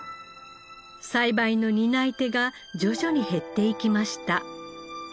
栽培の担い手が徐々に減っていきました。